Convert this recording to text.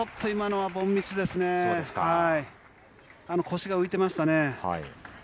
腰が浮いてましたね。